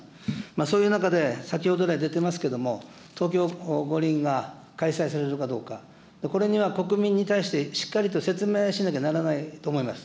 そういう中で、先ほど来出てますけれども、東京五輪が開催されるかどうか、これには国民に対してしっかりと説明しなきゃならないと思います。